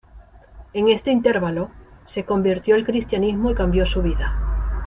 En este intervalo, se convirtió al cristianismo y cambió su vida.